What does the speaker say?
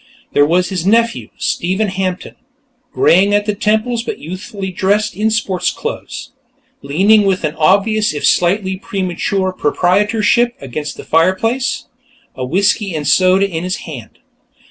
There was his nephew, Stephen Hampton, greying at the temples but youthfully dressed in sports clothes, leaning with obvious if slightly premature proprietorship against the fireplace, a whiskey and soda in his hand.